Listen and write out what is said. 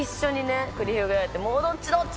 もうどっちどっち。